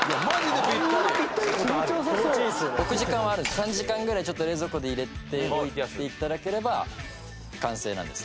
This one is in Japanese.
３時間ぐらいちょっと冷蔵庫で入れておいて頂ければ完成なんです。